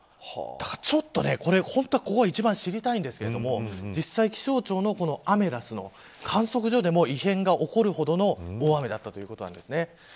本当は、ここが一番知りたいんですけど実際、気象庁のアメダスの観測所でも異変が起こるほどの大雨だったということなんですね。